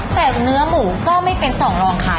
แต่เนื้อหมูก็ไม่เป็นสองรองขาย